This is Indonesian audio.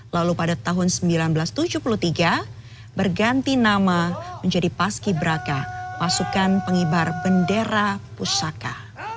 lalu pada tahun seribu sembilan ratus tujuh puluh tiga berganti nama menjadi paski braka pasukan pengibar bendera pusaka